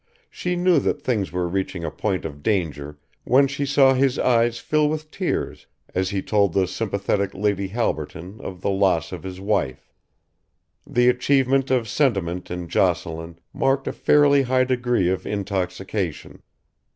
She knew that things were reaching a point of danger when she saw his eyes fill with tears as he told the sympathetic Lady Halberton of the loss of his wife. The achievement of sentiment in Jocelyn marked a fairly high degree of intoxication.